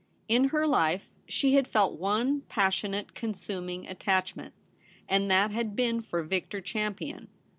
In her life she had felt one passionate, consuming attachment ; and that had been for Victor Champion.